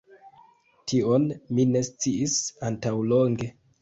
Tion mi ne sciis antaŭlonge